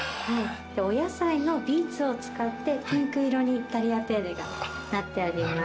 お野菜のビーツを使ってピンク色にタリアテッレがなっております。